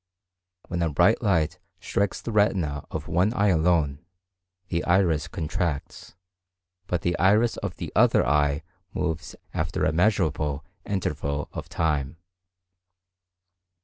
When a bright light strikes the retina of one eye alone, the iris contracts, but the iris of the other eye moves after a measurable interval of time.